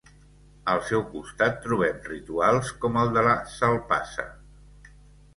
Al seu costat trobem rituals com el de la «salpassa».